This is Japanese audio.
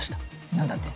何だって？